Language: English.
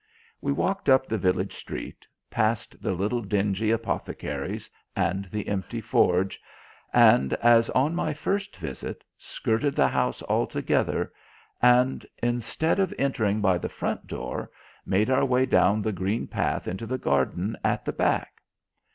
We walked up the village street, past the little dingy apothecary's and the empty forge, and, as on my first visit, skirted the house together, and, instead of entering by the front door, made our way down the green path into the garden at the back.